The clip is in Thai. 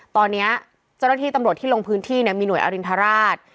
ตอนนี้เจ้าหน้าที่ตำรวจที่ลงพื้นที่มีหน่วยอรินทราช